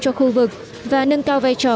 cho khu vực và nâng cao vai trò